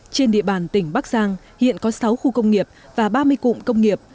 trên địa bàn tỉnh bắc giang hiện có sáu khu công nghiệp và ba mươi cụm công nghiệp